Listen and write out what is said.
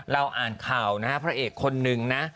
เราอ่านข่าวนะครับพระเอกคนนึงนะ